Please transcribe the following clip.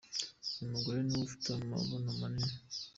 Uyu mugore niwe ufite amabuno manini.